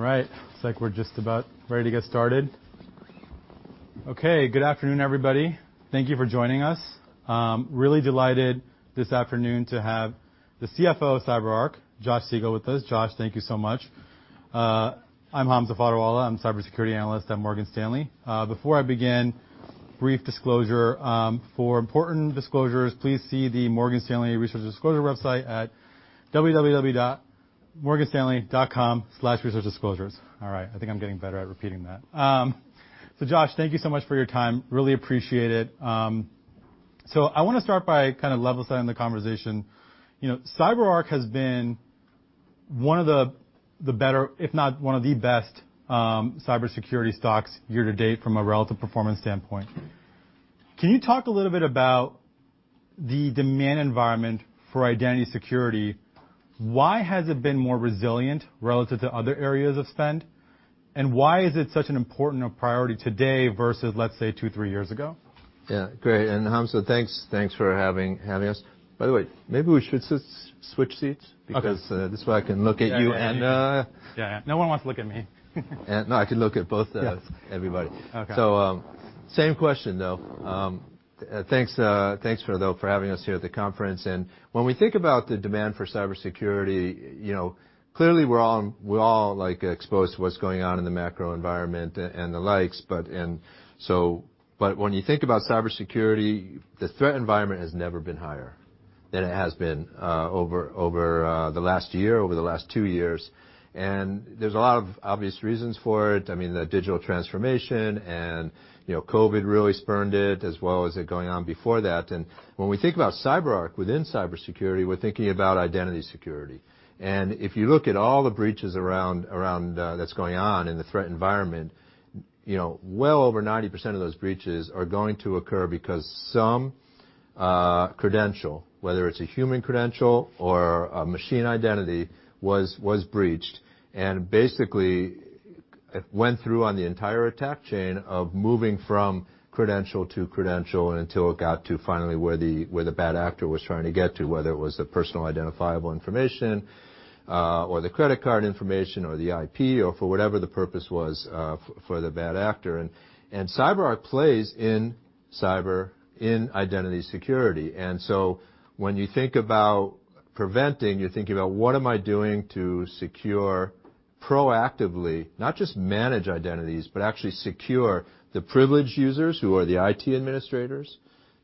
All right. Looks like we're just about ready to get started. Okay, good afternoon, everybody. Thank you for joining us. Really delighted this afternoon to have the CFO of CyberArk, Josh Siegel, with us. Josh, thank you so much. I'm Hamza Fodderwala. I'm a cybersecurity analyst at Morgan Stanley. Before I begin, brief disclosure, for important disclosures, please see the Morgan Stanley Research Disclosure website at www.morganstanley.com/researchdisclosures. All right, I think I'm getting better at repeating that. Josh, thank you so much for your time. Really appreciate it. I wanna start by kinda level setting the conversation. You know, CyberArk has been one of the better, if not one of the best, cybersecurity stocks year to date from a relative performance standpoint. Can you talk a little bit about the demand environment for Identity Security? Why has it been more resilient relative to other areas of spend? Why is it such an important priority today versus, let's say, two, three years ago? Yeah. Great. Hamza, thanks for having us. By the way, maybe we should switch seats. Okay. Because this way I can look at you and. Yeah, yeah. No one wants to look at me. Now I can look at both, everybody. Yeah. Okay. Same question. Thanks for having us here at the conference. When we think about the demand for cybersecurity, you know, clearly we're all, like, exposed to what's going on in the macro environment and the likes, but... When you think about cybersecurity, the threat environment has never been higher than it has been over the last year, over the last two years, and there's a lot of obvious reasons for it. I mean, the Digital Transformation and, you know, COVID really spurned it, as well as it going on before that. When we think about CyberArk within cybersecurity, we're thinking about Identity Security. If you look at all the breaches around that's going on in the threat environment, you know, well over 90% of those breaches are going to occur because some credential, whether it's a human credential or a machine identity, was breached. Basically, it went through on the entire attack chain of moving from credential to credential until it got to finally where the bad actor was trying to get to, whether it was the personal identifiable information or the credit card information or the IP or for whatever the purpose was for the bad actor. CyberArk plays in cyber, in Identity Security. When you think about preventing, you're thinking about, what am I doing to secure proactively, not just manage identities, but actually secure the privileged users who are the IT administrators,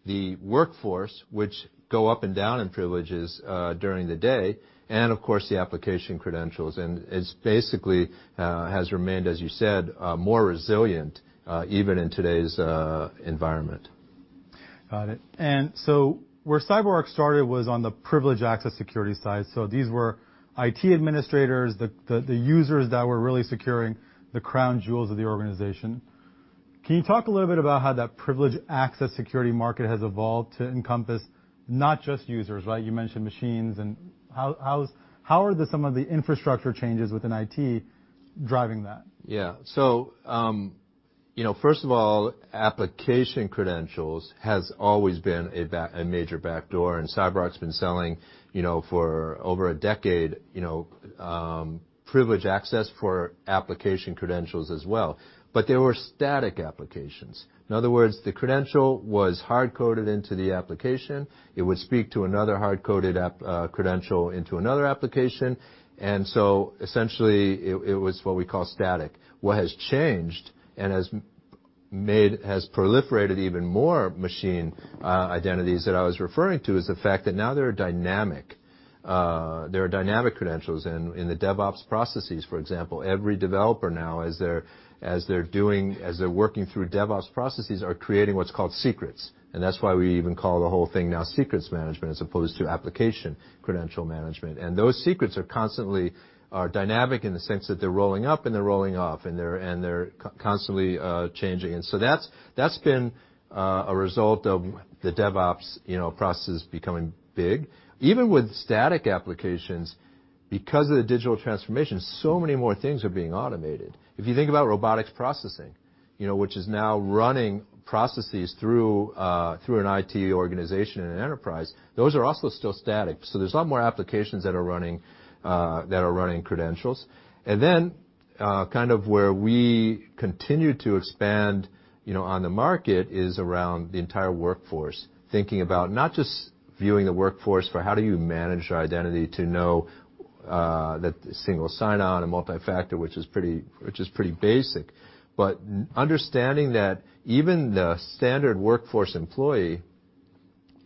the workforce which go up and down in privileges during the day, and of course, the application credentials. It's basically has remained, as you said, more resilient even in today's environment. Got it. Where CyberArk started was on the privileged access security side. These were IT administrators, the users that were really securing the crown jewels of the organization. Can you talk a little bit about how that privileged access security market has evolved to encompass not just users, right? You mentioned machines and how are some of the infrastructure changes within IT driving that? You know, first of all, application credentials has always been a major backdoor, and CyberArk's been selling, you know, for over a decade, you know, privileged access for application credentials as well. They were static applications. In other words, the credential was hard-coded into the application. It would speak to another hard-coded app credential into another application. Essentially, it was what we call static. What has changed and has made has proliferated even more machine identities that I was referring to, is the fact that now they're dynamic. There are dynamic credentials in the DevOps processes, for example. Every developer now, as they're doing, as they're working through DevOps processes, are creating what's called secrets. That's why we even call the whole thing now secrets management as opposed to application credential management. Those secrets are constantly, are dynamic in the sense that they're rolling up and they're rolling off, and they're co-constantly changing. That's been a result of the DevOps, you know, processes becoming big. Even with static applications, because of the digital transformation, so many more things are being automated. If you think about robotics processing, you know, which is now running processes through an IT organization in an enterprise, those are also still static. There's a lot more applications that are running credentials. Kind of where we continue to expand, you know, on the market is around the entire workforce, thinking about not just viewing the workforce for how do you manage your identity to know that single sign-on and multi-factor, which is pretty basic. Understanding that even the standard workforce employee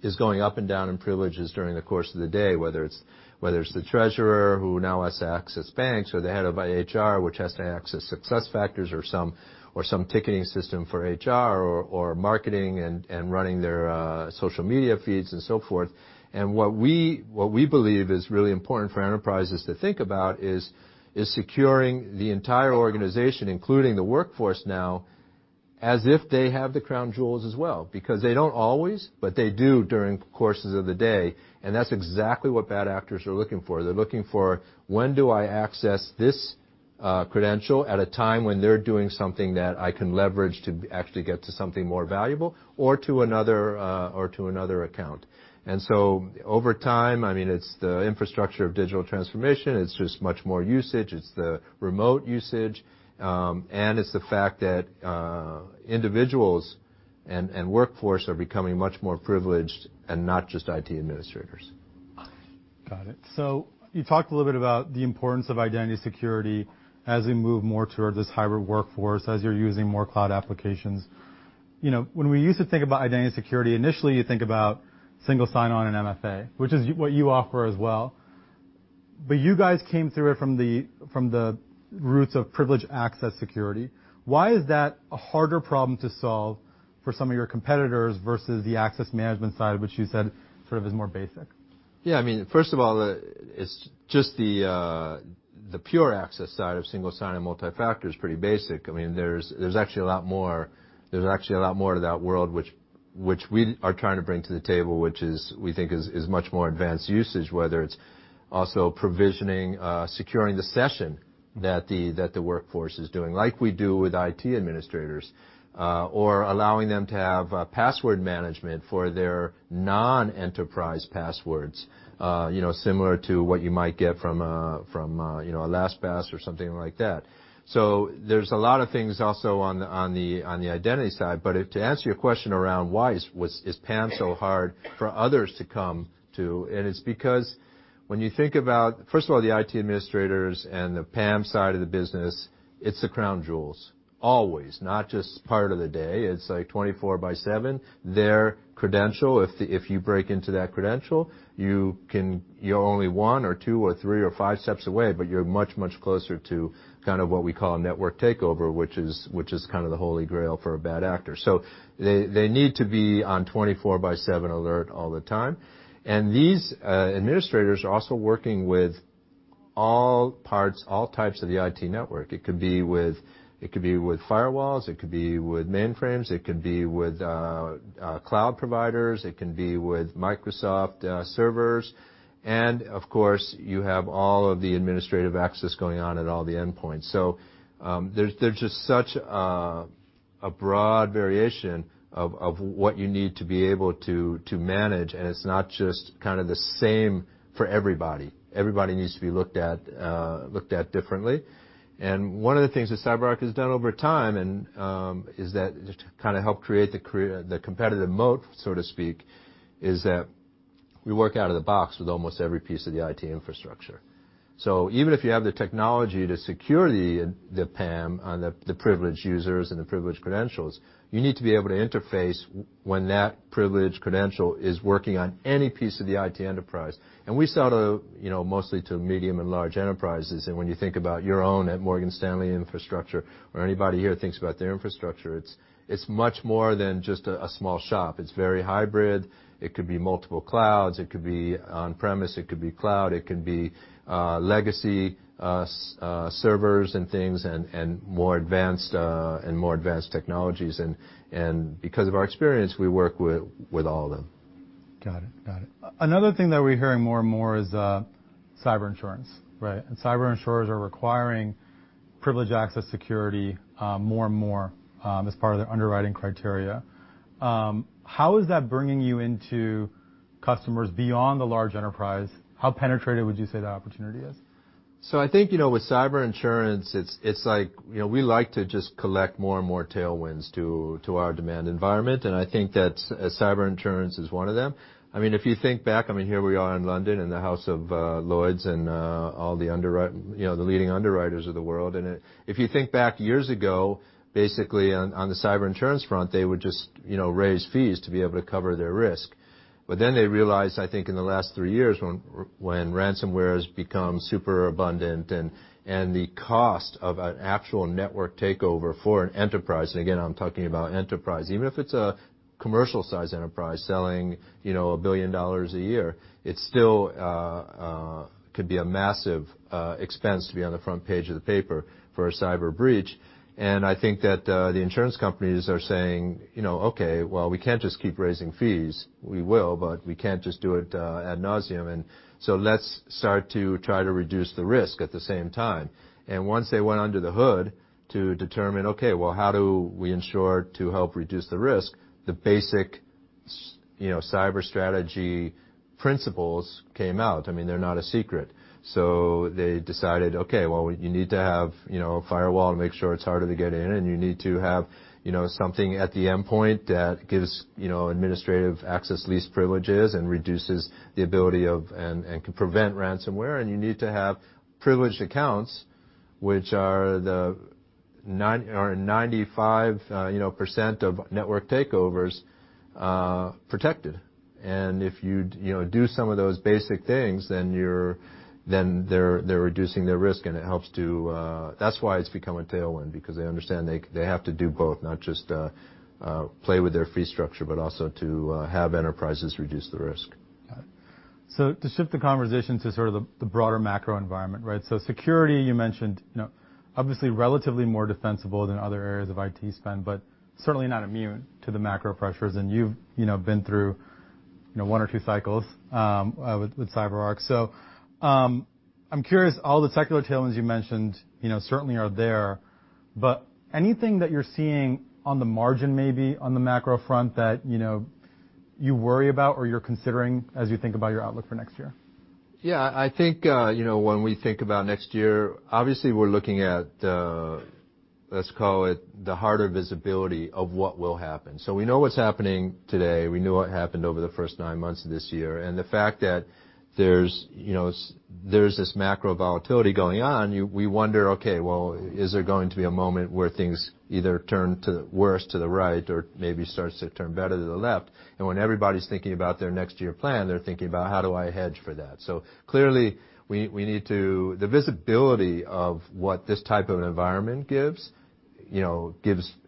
is going up and down in privileges during the course of the day, whether it's, whether it's the treasurer who now has access banks or the head of HR, which has to access SuccessFactors or some, or some ticketing system for HR or marketing and running their social media feeds and so forth. What we, what we believe is really important for enterprises to think about is securing the entire organization, including the workforce now, as if they have the crown jewels as well, because they don't always, but they do during courses of the day, and that's exactly what bad actors are looking for. They're looking for, when do I access this credential at a time when they're doing something that I can leverage to actually get to something more valuable or to another account. Over time, I mean, it's the infrastructure of digital transformation. It's just much more usage. It's the remote usage, and it's the fact that individuals and workforce are becoming much more privileged and not just IT administrators. Got it. You talked a little bit about the importance of Identity Security as we move more toward this hybrid workforce, as you're using more cloud applications. You know, when we used to think about Identity Security, initially you think about single sign-on and MFA, which is what you offer as well. You guys came through it from the roots of Privileged Access Security. Why is that a harder problem to solve for some of your competitors versus the access management side, which you said sort of is more basic? Yeah, I mean, first of all, it's just the pure access side of single sign-on and multi-factor is pretty basic. I mean, there's actually a lot more to that world which we are trying to bring to the table, which is we think is much more advanced usage, whether it's also provisioning, securing the session that the workforce is doing, like we do with IT administrators, or allowing them to have password management for their non-enterprise passwords, you know, similar to what you might get from, you know, a LastPass or something like that. There's a lot of things also on the identity side. To answer your question around why is PAM so hard for others to come to, and it's because when you think about, first of all, the IT administrators and the PAM side of the business, it's the crown jewels, always, not just part of the day. It's like 24 by 7. Their credential, if you break into that credential, you're only 1 or 2 or 3 or 5 steps away, but you're much, much closer to kind of what we call a network takeover, which is kind of the Holy Grail for a bad actor. They need to be on 24 by 7 alert all the time. These administrators are also working with all parts, all types of the IT network. It could be with firewalls, it could be with mainframes, it could be with cloud providers, it can be with Microsoft servers, and of course, you have all of the administrative access going on at all the endpoints. There's just such a broad variation of what you need to be able to manage, and it's not just kind of the same for everybody. Everybody needs to be looked at differently. One of the things that CyberArk has done over time and is that just to kind of help create the competitive moat, so to speak, is that we work out of the box with almost every piece of the IT infrastructure. Even if you have the technology to secure the PAM on the privileged users and the privileged credentials, you need to be able to interface when that privileged credential is working on any piece of the IT enterprise. We sell to, you know, mostly to medium and large enterprises, and when you think about your own at Morgan Stanley infrastructure or anybody here thinks about their infrastructure, it's much more than just a small shop. It's very hybrid. It could be multiple clouds, it could be on premise, it could be cloud, it could be legacy servers and things and more advanced and more advanced technologies and because of our experience, we work with all of them. Got it. Got it. Another thing that we're hearing more and more is cyber insurance, right? Cyber insurers are requiring privileged access security, more and more, as part of their underwriting criteria. How is that bringing you into customers beyond the large enterprise? How penetrative would you say that opportunity is? I think, you know, with cyber insurance, it's like, you know, we like to just collect more and more tailwinds to our demand environment, and I think that cyber insurance is one of them. I mean, if you think back, I mean, here we are in London, in the House of Lords and all the you know, the leading underwriters of the world. If you think back years ago, basically on the cyber insurance front, they would just, you know, raise fees to be able to cover their risk. Then they realized, I think in the last three years when ransomware become super abundant and the cost of an actual network takeover for an enterprise, and again, I'm talking about enterprise, even if it's a commercial-sized enterprise selling, you know, $1 billion a year, it still could be a massive expense to be on the front page of the paper for a cyber breach. I think that the insurance companies are saying, you know, "Okay, well, we can't just keep raising fees. We will, but we can't just do it ad nauseam. And so let's start to try to reduce the risk at the same time." Once they went under the hood to determine, okay, well, how do we ensure to help reduce the risk, the basic you know, cyber strategy principles came out. I mean, they're not a secret. They decided, okay, well, you need to have, you know, a firewall to make sure it's harder to get in, and you need to have, you know, something at the endpoint that gives, you know, administrative access, least privilege and reduces the ability of and can prevent ransomware, and you need to have privileged accounts, which are the 9 or 95%, you know, of network takeovers protected. If you'd, you know, do some of those basic things, then they're reducing their risk, and it helps to. That's why it's become a tailwind, because they understand they have to do both, not just play with their fee structure, but also to have enterprises reduce the risk. Got it. To shift the conversation to sort of the broader macro environment, right? Security, you mentioned, you know, obviously relatively more defensible than other areas of IT spend, but certainly not immune to the macro pressures. You've, you know, been through, You know, one or two cycles with CyberArk. I'm curious, all the secular tailwinds you mentioned, you know, certainly are there, but anything that you're seeing on the margin maybe on the macro front that, you know, you worry about or you're considering as you think about your outlook for next year? Yeah. I think, you know, when we think about next year, obviously, we're looking at, let's call it the harder visibility of what will happen. We know what's happening today. We know what happened over the first nine months of this year. The fact that there's, you know, there's this macro volatility going on, we wonder, okay, well, is there going to be a moment where things either turn to worse to the right or maybe starts to turn better to the left? When everybody's thinking about their next year plan, they're thinking about how do I hedge for that? Clearly, we need to the visibility of what this type of environment gives, you know,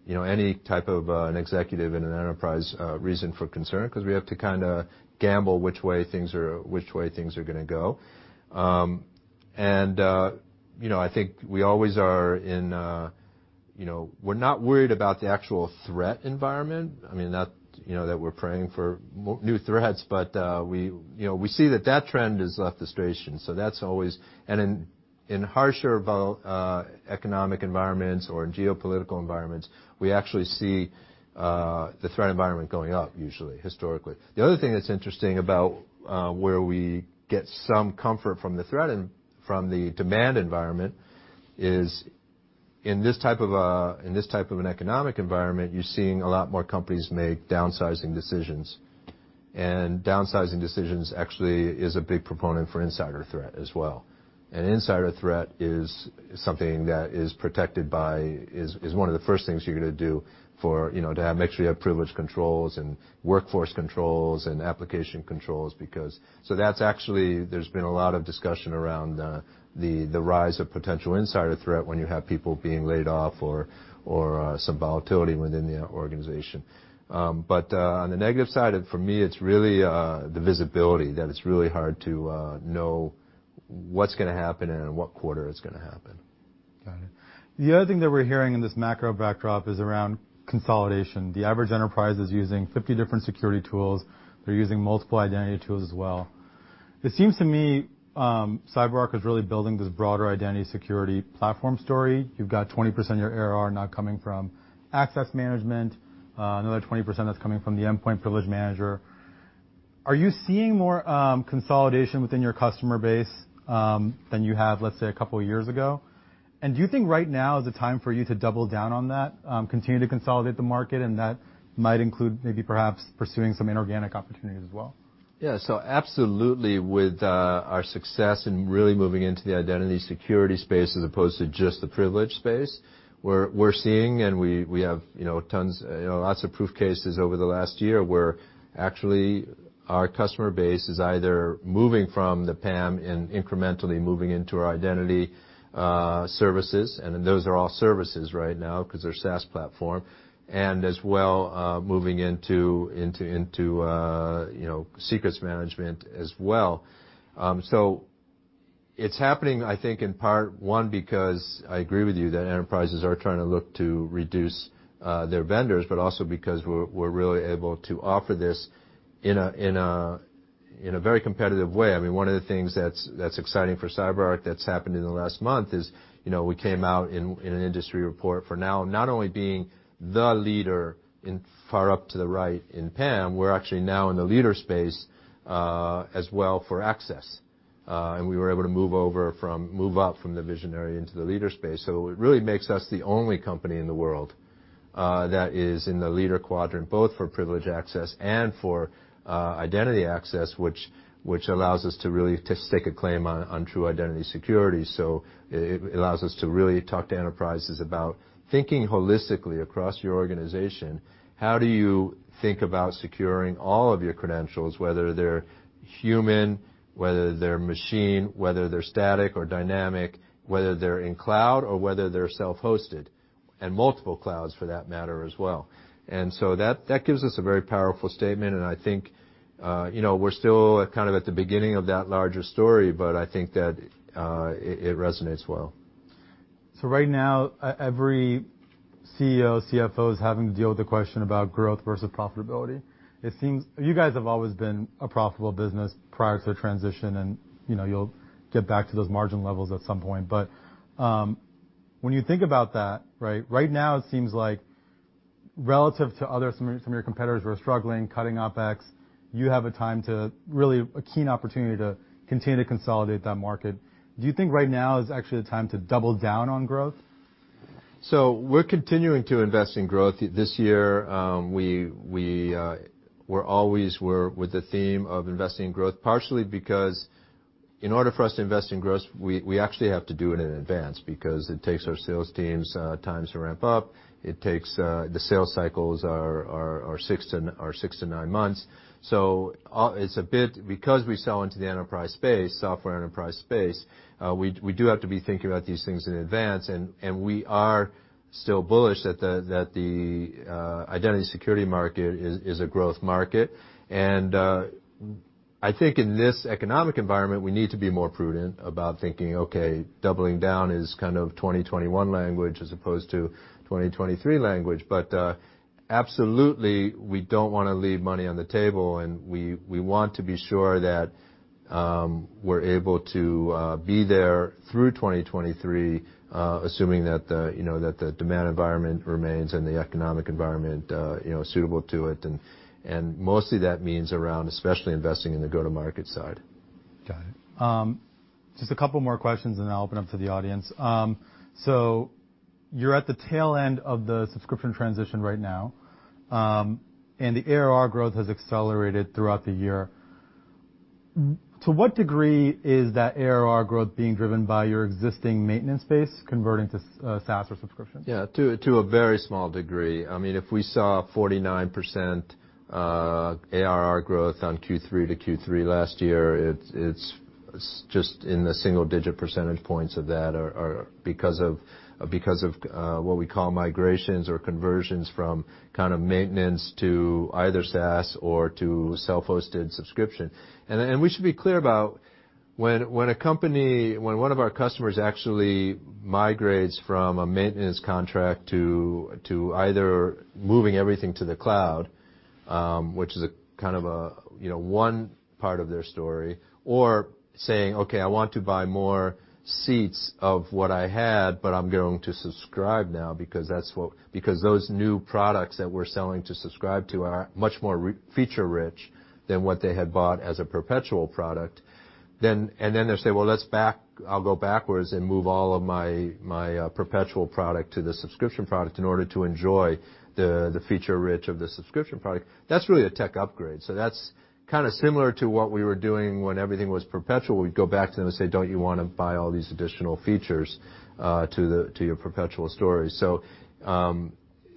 any type of an executive in an enterprise, reason for concern 'cause we have to kinda gamble which way things are, which way things are gonna go. You know, I think we always are in, you know, we're not worried about the actual threat environment. I mean, not, you know, that we're praying for new threats, but, we, you know, we see that that trend has left the station, so that's always. In harsher economic environments or geopolitical environments, we actually see the threat environment going up usually, historically. The other thing that's interesting about where we get some comfort from the demand environment is in this type of a, in this type of an economic environment, you're seeing a lot more companies make downsizing decisions. Downsizing decisions actually is a big proponent for insider threat as well. Insider threat is something that is protected by, is one of the first things you're gonna do for, you know, to have make sure you have privilege controls and workforce controls and application controls. That's actually there's been a lot of discussion around the rise of potential insider threat when you have people being laid off or some volatility within the organization. On the negative side, for me, it's really the visibility, that it's really hard to know what's gonna happen and in what quarter it's gonna happen. Got it. The other thing that we're hearing in this macro backdrop is around consolidation. The average enterprise is using 50 different security tools. They're using multiple identity tools as well. It seems to me, CyberArk is really building this broader Identity Security platform story. You've got 20% of your ARR not coming from access management, another 20% that's coming from the Endpoint Privilege Manager. Are you seeing more consolidation within your customer base than you have, let's say, a couple of years ago? Do you think right now is the time for you to double down on that, continue to consolidate the market, and that might include maybe perhaps pursuing some inorganic opportunities as well? Yeah. Absolutely with our success in really moving into the Identity Security space as opposed to just the privilege space, we're seeing and we have, you know, tons, you know, lots of proof cases over the last year where actually our customer base is either moving from the PAM and incrementally moving into our Identity services, and those are all services right now 'cause they're SaaS platform, and as well, moving into, you know, Secrets Management as well. It's happening, I think, in part, one, because I agree with you that enterprises are trying to look to reduce their vendors, but also because we're really able to offer this in a very competitive way. I mean, one of the things that's exciting for CyberArk that's happened in the last month is, you know, we came out in an industry report for now not only being the leader in far up to the right in PAM, we're actually now in the leader space as well for access. We were able to move up from the visionary into the leader space. It really makes us the only company in the world that is in the Leaders quadrant, both for privilege access and for identity access, which allows us to really to stake a claim on true Identity Security. It allows us to really talk to enterprises about thinking holistically across your organization. How do you think about securing all of your credentials, whether they're human, whether they're machine, whether they're static or dynamic, whether they're in cloud or whether they're self-hosted, and multiple clouds for that matter as well. That, that gives us a very powerful statement, and I think, you know, we're still at kind of at the beginning of that larger story, but I think that, it resonates well. Right now, every CEO, CFO is having to deal with the question about growth versus profitability. It seems you guys have always been a profitable business prior to the transition and, you know, you'll get back to those margin levels at some point. When you think about that, right? Right now, it seems like relative to other some of your competitors who are struggling, cutting OpEx, you have a time to really a keen opportunity to continue to consolidate that market. Do you think right now is actually the time to double down on growth? We're continuing to invest in growth. This year, we're always were with the theme of investing in growth, partially because in order for us to invest in growth, we actually have to do it in advance because it takes our sales teams time to ramp up. It takes the sales cycles are six to nine months. It's a bit because we sell into the enterprise space, software enterprise space, we do have to be thinking about these things in advance. We are still bullish that the Identity Security market is a growth market. I think in this economic environment, we need to be more prudent about thinking, okay, doubling down is kind of 2021 language as opposed to 2023 language. Absolutely, we don't wanna leave money on the table, and we want to be sure that we're able to be there through 2023, assuming, you know, that the demand environment remains and the economic environment, you know, suitable to it and mostly that means around especially investing in the go-to-market side. Got it. Just a couple more questions and then I'll open up to the audience. You're at the tail end of the subscription transition right now. The ARR growth has accelerated throughout the year. To what degree is that ARR growth being driven by your existing maintenance base converting to SaaS or subscription? Yeah. To a very small degree. I mean, if we saw 49% ARR growth on Q3 to Q3 last year, it's just in the single digit percentage points of that are because of what we call migrations or conversions from kind of maintenance to either SaaS or to self-hosted subscription. We should be clear about when one of our customers actually migrates from a maintenance contract to either moving everything to the cloud, which is a kind of a, you know, one part of their story, or saying, "Okay, I want to buy more seats of what I had, but I'm going to subscribe now," because those new products that we're selling to subscribe to are much more feature rich than what they had bought as a perpetual product. They say, "Well, let's go backwards and move all of my perpetual product to the subscription product in order to enjoy the feature rich of the subscription product." That's really a tech upgrade, so that's kinda similar to what we were doing when everything was perpetual. We'd go back to them and say, "Don't you wanna buy all these additional features to your perpetual story?"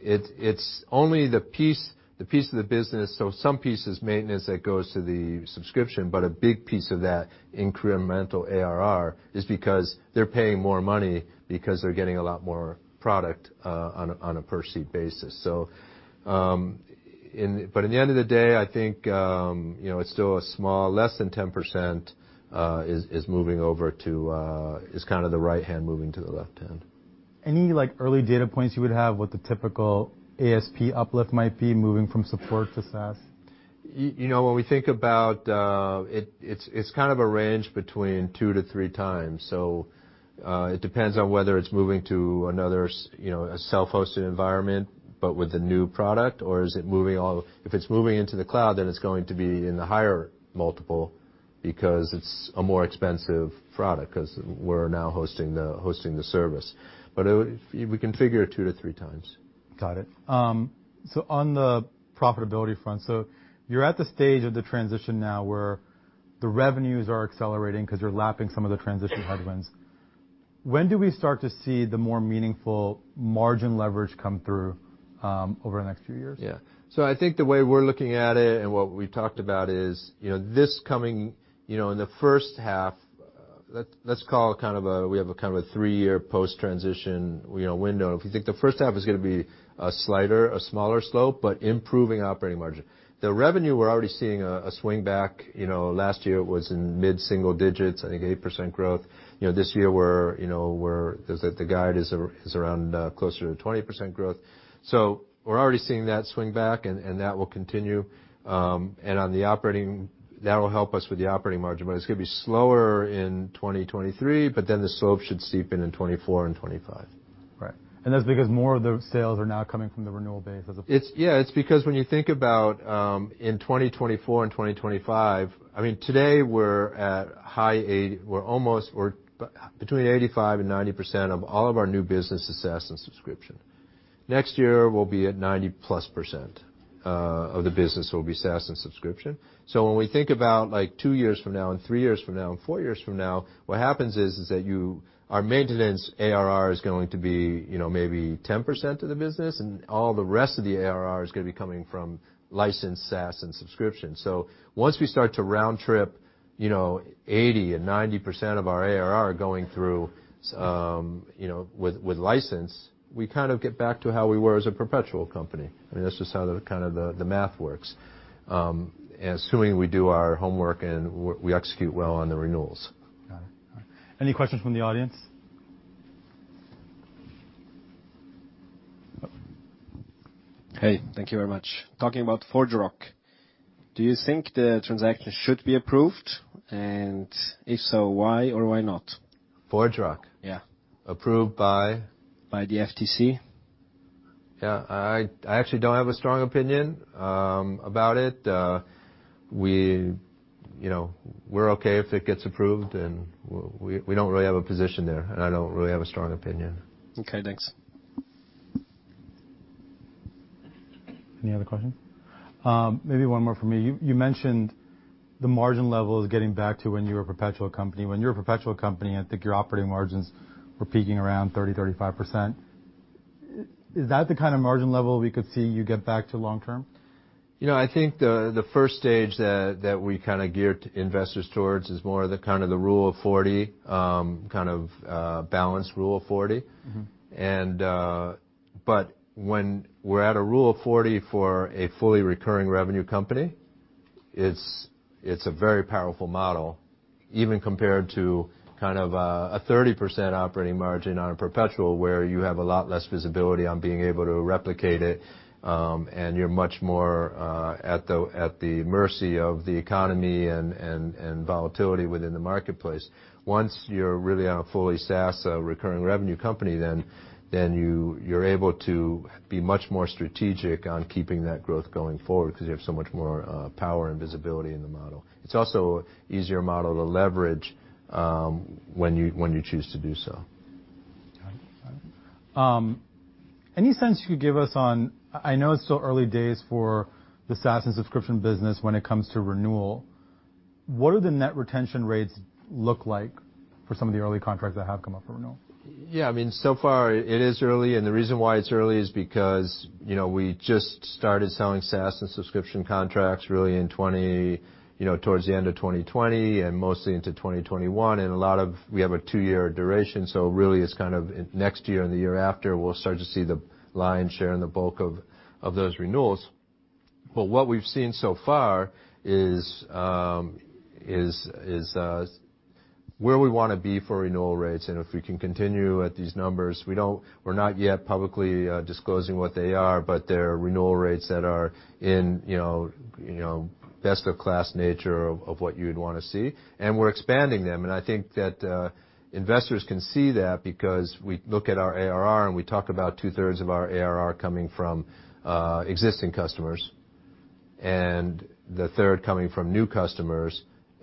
It's only the piece of the business, so some piece is maintenance that goes to the subscription, but a big piece of that incremental ARR is because they're paying more money because they're getting a lot more product on a per seat basis. But in the end of the day, I think, you know, it's still a small, less than 10%, is moving over to, is kinda the right hand moving to the left hand. Any, like, early data points you would have what the typical ASP uplift might be moving from support to SaaS? You, you know, when we think about it's kind of a range between 2 to 3 times. It depends on whether it's moving to another, you know, a self-hosted environment, but with a new product, or is it moving. If it's moving into the cloud, it's going to be in the higher multiple because it's a more expensive product 'cause we're now hosting the service. We can figure 2 to 3 times. Got it. On the profitability front, you're at the stage of the transition now where the revenues are accelerating 'cause you're lapping some of the transition headwinds. When do we start to see the more meaningful margin leverage come through over the next few years? Yeah. I think the way we're looking at it and what we talked about is, you know, this coming, you know, in the first half, let's call it kind of a, we have a kind of a three-year post-transition, you know, window. If you think the first half is gonna be a slighter, a smaller slope, but improving operating margin. The revenue, we're already seeing a swing back. You know, last year was in mid-single digits, I think 8% growth. You know, this year we're, you know, we're, as the guide is around, closer to 20% growth. We're already seeing that swing back, and that will continue. On the operating, that will help us with the operating margin, but it's gonna be slower in 2023, but then the slope should steepen in 2024 and 2025. Right. That's because more of the sales are now coming from the renewal base. Yeah. It's because when you think about, in 2024 and 2025, I mean, today we're almost between 85 and 90% of all of our new business is SaaS and subscription. Next year, we'll be at 90%+ of the business will be SaaS and subscription. When we think about, like two years from now and three years from now and four years from now, what happens is that you, our maintenance ARR is going to be, you know, maybe 10% of the business, and all the rest of the ARR is gonna be coming from licensed SaaS and subscription. Once we start to round trip, you know, 80% and 90% of our ARR going through, you know, with license, we kind of get back to how we were as a perpetual company. I mean, that's just how the kind of the math works. Assuming we do our homework and we execute well on the renewals. Got it. All right. Any questions from the audience? Hey, thank you very much. Talking about ForgeRock, do you think the transaction should be approved? If so, why or why not? ForgeRock? Yeah. Approved by? By the FTC. Yeah. I actually don't have a strong opinion about it. We, you know, we're okay if it gets approved and we don't really have a position there, and I don't really have a strong opinion. Okay, thanks. Any other questions? Maybe one more from me. You mentioned the margin level is getting back to when you were a perpetual company. When you were a perpetual company, I think your operating margins were peaking around 30-35%. Is that the kind of margin level we could see you get back to long term? You know, I think the first stage that we kinda geared investors towards is more the kind of the rule of forty, kind of, balanced rule of forty. But when we're at a rule of forty for a fully recurring revenue company. It's a very powerful model, even compared to kind of a 30% operating margin on a perpetual, where you have a lot less visibility on being able to replicate it, and you're much more at the mercy of the economy and volatility within the marketplace. Once you're really on a fully SaaS recurring revenue company, then you're able to be much more strategic on keeping that growth going forward because you have so much more power and visibility in the model. It's also easier model to leverage, when you choose to do so. Got it. Got it. Any sense you could give us on... I know it's still early days for the SaaS and subscription business when it comes to renewal. What do the net retention rates look like for some of the early contracts that have come up for renewal? Yeah. I mean, so far it is early. The reason why it's early is because, you know, we just started selling SaaS and subscription contracts really in 2020, you know, towards the end of 2020 and mostly into 2021. A lot of we have a two-year duration, so really it's kind of next year or the year after, we'll start to see the lion's share and the bulk of those renewals. What we've seen so far is where we wanna be for renewal rates. If we can continue at these numbers, we're not yet publicly disclosing what they are, but they're renewal rates that are in, you know, best of class nature of what you'd wanna see. We're expanding them. I think that investors can see that because we look at our ARR, and we talk about two-thirds of our ARR coming from existing customers and the third coming from new customers.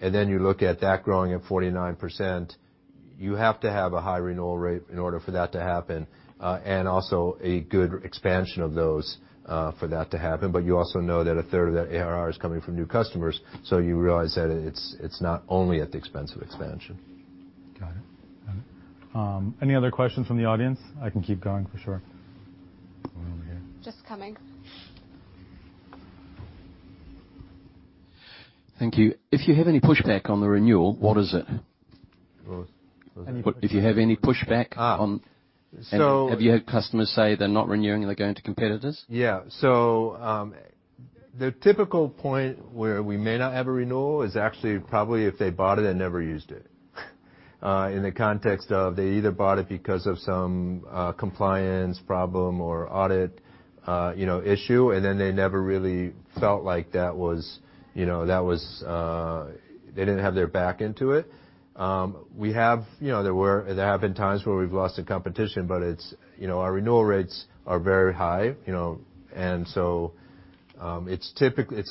You look at that growing at 49%, you have to have a high renewal rate in order for that to happen, and also a good expansion of those for that to happen. You also know that a third of that ARR is coming from new customers, so you realize that it's not only at the expense of expansion. Got it. Any other questions from the audience? I can keep going for sure. One over here. Just coming. Thank you. If you have any pushback on the renewal, what is it? What was- If you have any pushback on. Have you had customers say they're not renewing and they're going to competitors? The typical point where we may not have a renewal is actually probably if they bought it and never used it. In the context of they either bought it because of some compliance problem or audit, you know, issue, and then they never really felt like that was, you know, that was. They didn't have their back into it. We have, you know, there have been times where we've lost to competition, but it's, you know, our renewal rates are very high, you know. It's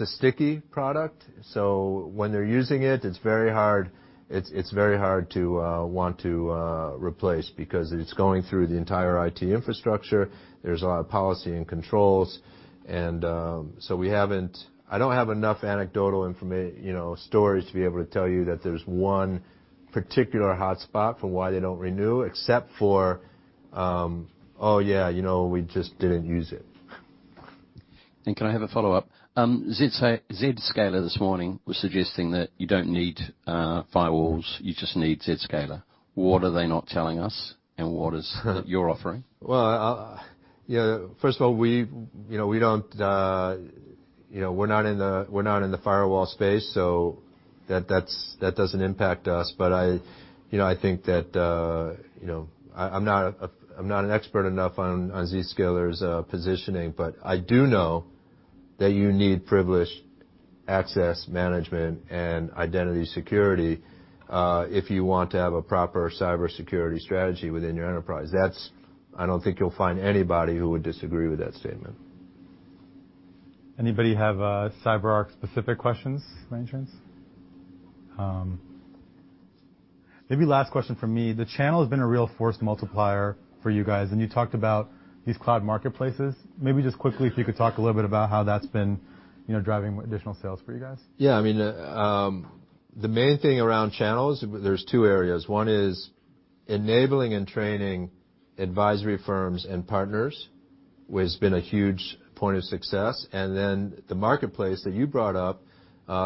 a sticky product, so when they're using it's very hard, it's very hard to want to replace because it's going through the entire IT infrastructure. There's a lot of policy and controls and, I don't have enough anecdotal you know, stories to be able to tell you that there's one particular hotspot for why they don't renew, except for, "Oh, yeah, you know, we just didn't use it. Can I have a follow-up? Zscaler this morning was suggesting that you don't need firewalls. You just need Zscaler. What are they not telling us and what is your offering? Yeah, first of all, we, you know, we don't, you know, we're not in the, we're not in the firewall space, so that's, that doesn't impact us. I, you know, I think that, you know, I'm not a, I'm not an expert enough on Zscaler's positioning, but I do know that you need Privileged Access Management and Identity Security, if you want to have a proper cybersecurity strategy within your enterprise. I don't think you'll find anybody who would disagree with that statement. Anybody have CyberArk specific questions by any chance? Maybe last question from me. The channel has been a real force multiplier for you guys, and you talked about these cloud marketplaces. Maybe just quickly, if you could talk a little bit about how that's been, you know, driving additional sales for you guys. I mean, the main thing around channels, there's two areas. One is enabling and training advisory firms and partners has been a huge point of success. The marketplace that you brought up,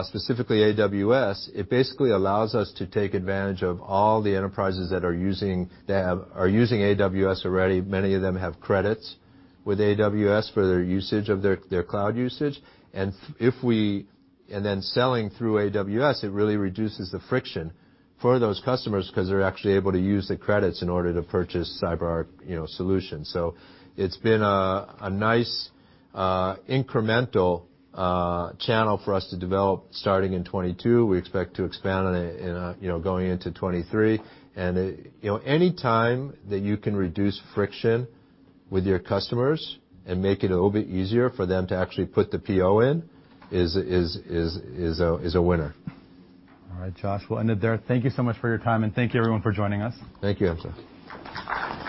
specifically AWS, it basically allows us to take advantage of all the enterprises that are using AWS already. Many of them have credits with AWS for their usage of their cloud usage. Selling through AWS, it really reduces the friction for those customers 'cause they're actually able to use the credits in order to purchase CyberArk, you know, solution. It's been a nice, incremental channel for us to develop starting in 2022. We expect to expand on it in a, you know, going into 2023. You know, any time that you can reduce friction with your customers and make it a little bit easier for them to actually put the PO in is a winner. All right, Josh. We'll end it there. Thank you so much for your time, and thank you everyone for joining us. Thank you, Hamza.